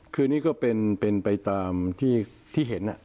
คือนี่ก็เป็นไปตามที่เห็น